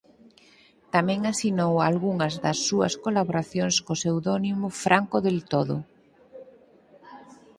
Tamén asinou algunhas das súas colaboracións co pseudónimo Franco del Todo.